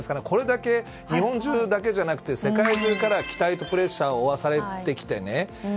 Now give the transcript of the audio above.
これだけ日本中だけじゃなくて世界中から期待とプレッシャーを負わされてきてね。